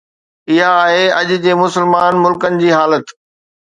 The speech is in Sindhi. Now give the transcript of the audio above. اها آهي اڄ جي مسلمان ملڪن جي حالت